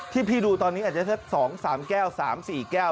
ที่พี่ดูตอนนี้อาจจะสัก๒๓แก้ว๓๔แก้ว